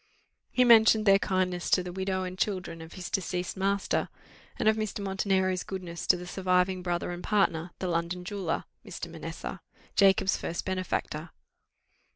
He mentioned their kindness to the widow and children of his deceased master, and of Mr. Montenero's goodness to the surviving brother and partner, the London jeweller, Mr. Manessa, Jacob's first benefactor.